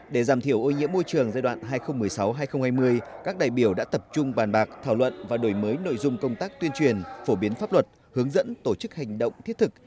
để giảm thiểu ô nhiễm môi trường giai đoạn hai nghìn một mươi sáu hai nghìn hai mươi các đại biểu đã tập trung bàn bạc thảo luận và đổi mới nội dung công tác tuyên truyền phổ biến pháp luật hướng dẫn tổ chức hành động thiết thực